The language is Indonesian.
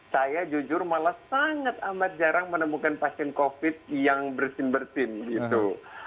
saya jujur malah sangat amat jarang menemukan pasien covid yang bersin bersin gitu